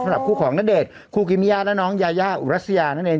สำหรับคู่ของนเดชคู่กิมยาและน้องยาย่าหรัสแซยานั่นนั่นเอง